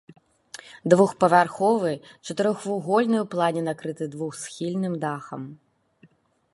Двухпавярховы, чатырохвугольны ў плане, накрыты двухсхільным дахам.